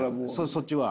そっちは？